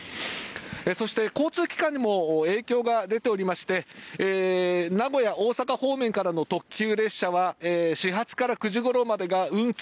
そして、交通機関にも影響が出ておりまして名古屋、大阪方面からの特急列車は始発から９時ごろまでが運休。